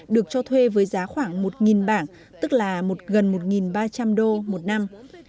được cho thuê với giá khoảng một bảng tức là gần một ba trăm linh đô một năm